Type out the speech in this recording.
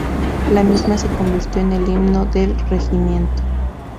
La misma se convirtió en el himno del Regimiento.